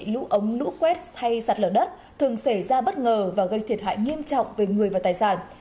lũ ống lũ quét hay sạt lở đất thường xảy ra bất ngờ và gây thiệt hại nghiêm trọng về người và tài sản